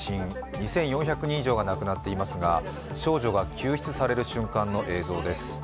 ２４００人以上が亡くなっていますが少女が救出される瞬間の映像です。